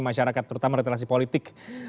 masyarakat terutama literasi politik